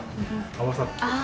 合わさってる。